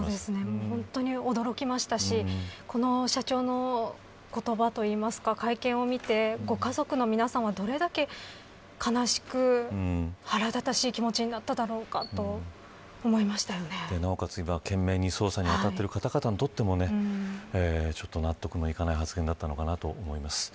本当に驚きましたしこの社長の言葉といいますか会見を見てご家族の皆さんはどれだけ悲しく腹立たしい気持ちになっただろうかとなおかつ、今、懸命に捜査に当たっている方々にとってもちょっと納得のいかない発言だったのではと思います。